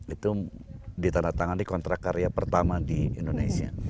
itu ditandatangani kontrak karya pertama di indonesia